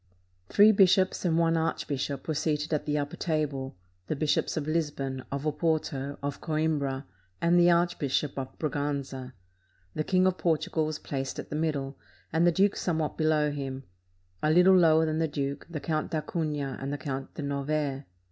Three bishops and one archbishop were seated at the upper table: the Bishops of Lisbon, of Oporto, of Coimbra, and the Archbishop of Braganza. The King of Portugal was placed at the middle, and the duke somewhat below him; a Httle lower than the duke, the Count d'Acunha and the Count de Novaire.